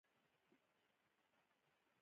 ربړي میله پوکڼۍ ته نژدې کړئ.